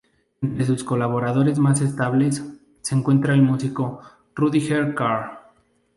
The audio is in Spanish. Entre sus colaboradores más estables, se encuentra el músico Rüdiger Carl.